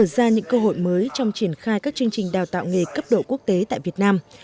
ra những cơ hội mới trong triển khai các chương trình đào tạo nghề cấp độ quốc tế tại việt nam